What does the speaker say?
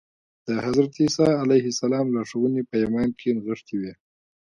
د حضرت عیسی علیه السلام لارښوونې په ایمان کې نغښتې وې